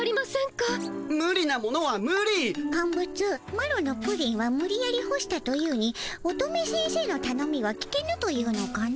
マロのプリンはむりやり干したというに乙女先生のたのみは聞けぬと言うのかの？